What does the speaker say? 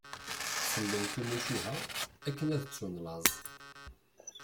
Sellen timucuha akken ad ttun laẓ.